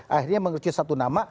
akhirnya mengerjakan satu nama